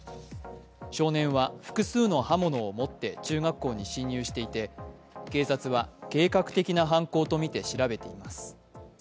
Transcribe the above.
初年は複数の刃物を持って中学校に侵入していて、警察は、計画的な犯行とみて調べています。